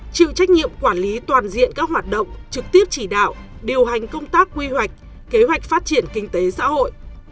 chịu trách nhiệm quản lý toàn diện các hoạt động trực tiếp chỉ đạo điều hành công tác quy hoạch kế hoạch phát triển kinh tế xã hội